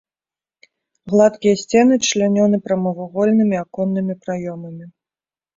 Гладкія сцены члянёны прамавугольнымі аконнымі праёмамі.